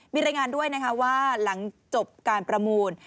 มีรายงานด้วยนะคะว่าหลังจบการประมูล